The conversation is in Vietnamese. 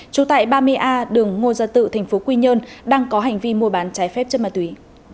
trụ tại ba mươi a đường ngô gia tự tp quy nhơn đang có hành vi mua bán trái phép chất ma túy